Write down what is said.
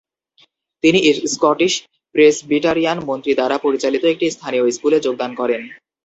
তিনি Scottish Presbyterian মন্ত্রী দ্বারা পরিচালিত একটি স্থানীয় স্কুলে যোগদান করেন।